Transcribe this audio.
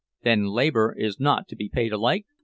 "Then labor is not to be paid alike?"